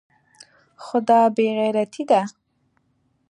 خو دا بې غيرتي ده.